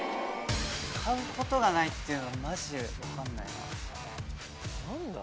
買うことがないっていうのマジで分かんないな。